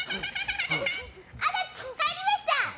足立帰りました。